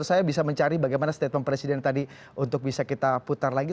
saya bisa mencari bagaimana statement presiden tadi untuk bisa kita putar lagi